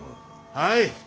はい！